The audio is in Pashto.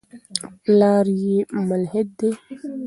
پلار یې ملحد دی.